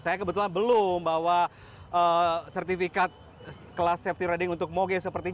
saya kebetulan belum bawa sertifikat kelas safety rading untuk moge seperti ini